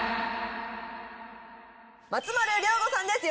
松丸亮吾さんです